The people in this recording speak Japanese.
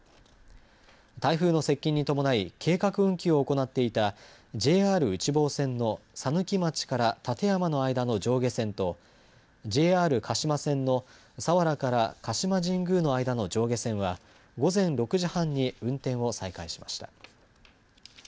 台風の接近に伴い計画運休を行っていたＪＲ内房線の佐貫町から館山の間の上下線とＪＲ鹿島線の佐原から鹿島神宮の間の上下線は午前６時半に運転を再開しました。